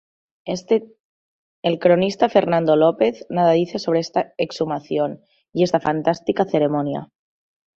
El cronista Fernando López nada dice sobre esta exhumación y esta fantástica ceremonia.